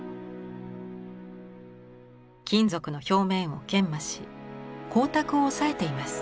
金属の表面を研磨し光沢を抑えています。